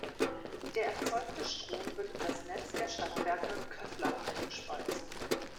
Der erzeugte Strom wird in das Netz der Stadtwerke Köflach eingespeist.